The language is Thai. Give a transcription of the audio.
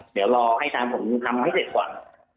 เดี๋ยวรอให้ทางผมทำให้เสร็จก่อน